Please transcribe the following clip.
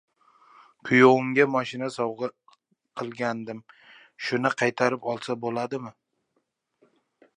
Kuyovimga moshina sovg`a qilgandim. Shuni qaytarib olsa bo`ladimi?